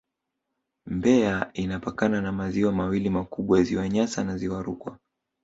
Mbeya inapakana na maziwa mawili makubwa Ziwa Nyasa na Ziwa Rukwa